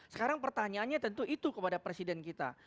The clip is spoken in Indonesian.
sekarang pertanyaannya tentu itu kepada presiden kita